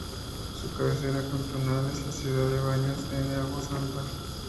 Su cabecera cantonal es la ciudad de Baños de Agua Santa.